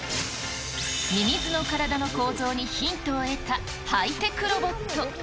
ミミズの体の構造にヒントを得たハイテクロボット。